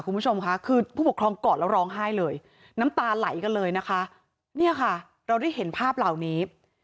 คุณผู้ชมค่ะคือผู้ปกครองกอดแล้วร้องไห้เลยน้ำตาไหลกันเลยนะคะเนี่ยค่ะเราได้เห็นภาพเหล่านี้